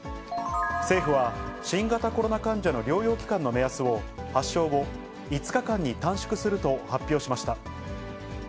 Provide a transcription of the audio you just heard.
政府は、新型コロナ患者の療養期間の目安を、発症後、５日間に短縮すると発表しました。